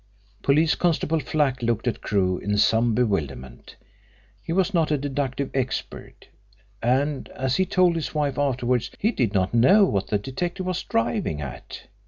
Police Constable Flack looked at Crewe in some bewilderment. He was not a deductive expert, and, as he told his wife afterwards, he did not know what the detective was "driving at."